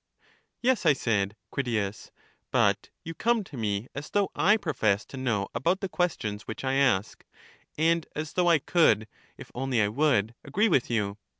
Yes, I said, Critias; but you come to me as though I professed to know about the questions which I ask, and as though I could, if only I would, agree with you.